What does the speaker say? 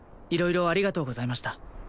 色々ありがとうございました